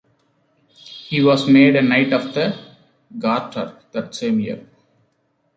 He was made a Knight of the Garter that same year.